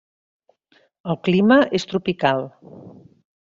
El clima és tropical.